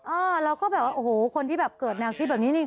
เออเราก็แบบว่าโอ้โหคนที่แบบเกิดแนวคิดแบบนี้นี่